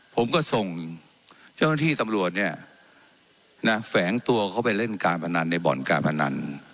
ผมก็ส่งเจ้าหน้าที่ตำรวจเนี่ยนะแฝงตัวเข้าไปเล่นการพนันในบ่อนการพนัน